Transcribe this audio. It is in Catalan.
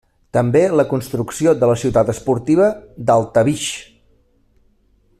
També la construcció de la Ciutat Esportiva d'Altabix.